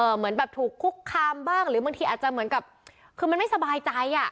เหมือนแบบถูกคุกคามบ้างหรือบางทีอาจจะเหมือนกับคือมันไม่สบายใจอ่ะ